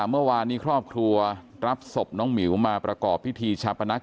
เมื่อวานนี้ครอบครัวรับศพน้องหมิวมาประกอบพิธีชาปนัก